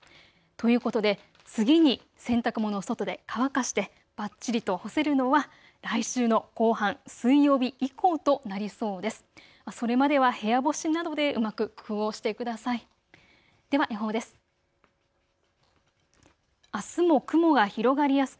ということで次に洗濯物を外で乾かしてばっちりと干せるのは来週の後半、水曜日以降となりそうです。